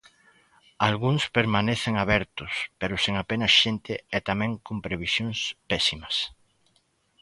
Algúns permanecen abertos, pero sen apenas xente e tamén con previsións pésimas.